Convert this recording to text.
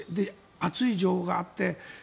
熱い情があって。